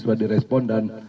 sudah di respon dan